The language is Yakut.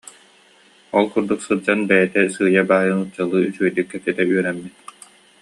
Ол курдук сылдьан бэйэтэ сыыйа-баайа нууччалыы үчүгэйдик кэпсэтэ үөрэммит